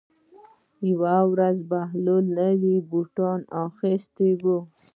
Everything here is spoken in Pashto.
یوه ورځ بهلول نوي بوټان اخیستي وو.